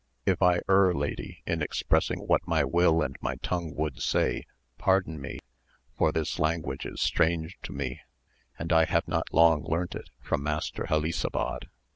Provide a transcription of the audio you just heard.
if I err lady in expressing what my will and my tongue would say, pardon me, for this language is strange to me and I have not long learnt it from Master Helisabad.